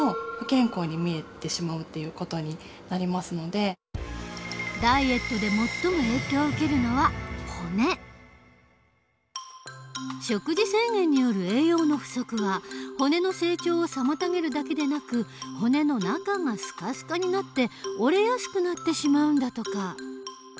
専門家は１０代のダイエットで食事制限による栄養の不足は骨の成長を妨げるだけでなく骨の中がすかすかになって折れやすくなってしまうんだとか。